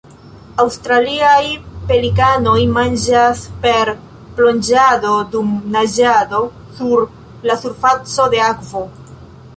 Aŭstraliaj pelikanoj manĝas per plonĝado dum naĝado sur la surfaco de akvo.